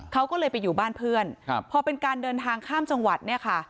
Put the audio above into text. เขาก็เลยไปอยู่บ้านเพื่อนครับพอเป็นการเดินทางข้ามจังหวัดเนี่ยค่ะ